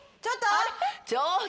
ちょっと！